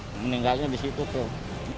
meninggal meninggalnya di situ tuh